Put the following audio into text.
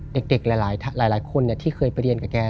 เด็กหลายคนเนี่ยที่เคยไปเรียนกับแก